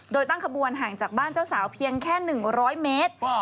โดยตั้งขบวนห่างจากบ้านเจ้าสาวเพียงแค่๑๐๐เมตร